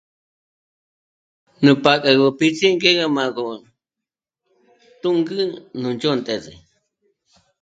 Nú p'ád'agö pítsi ngé à má'agö t'ûngü nú ndzhónt'ese